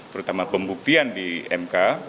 terutama pembuktian di mk